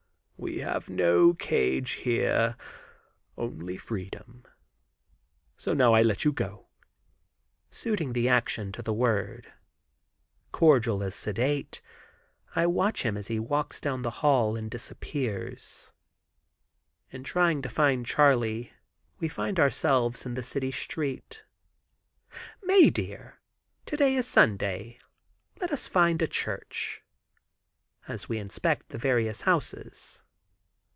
"We have no cage here, only freedom; so now I let you go," suiting the action to the word. Cordial as sedate, I watch him as he walks down the hall and disappears. In trying to find Charley, we find ourselves in the city street. "Mae, dear, to day is Sunday; let us find a church," as we inspect the various houses.